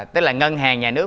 tức là ngân hàng nhà nước